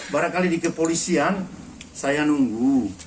barangkali di kepolisian saya nunggu